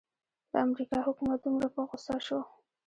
د امریکا حکومت دومره په غوسه شو.